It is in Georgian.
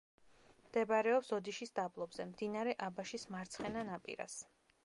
მდებარეობს ოდიშის დაბლობზე, მდინარე აბაშის მარცხენა ნაპირას.